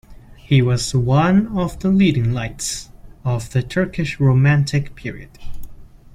He was one of the leading lights of the Turkish Romantic period.